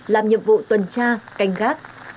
làm nhiệm vụ tuần tra canh gác